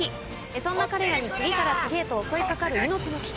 そんな彼らに次から次へと襲い掛かる命の危機。